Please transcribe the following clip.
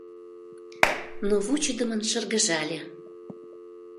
Но вучыдымын шыргыжале.